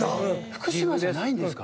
福島じゃないんですか？